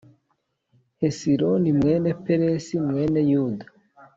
Hesironi mwene Peresi mwene Yuda